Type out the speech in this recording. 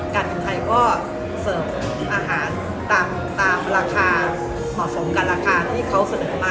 การบินไทยก็เสิร์ฟอาหารตามราคาเหมาะสมกับราคาที่เขาเสนอมา